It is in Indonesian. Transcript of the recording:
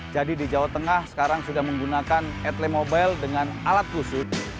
di jawa tengah sekarang sudah menggunakan etle mobile dengan alat khusus